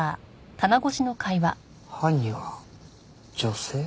犯人は女性？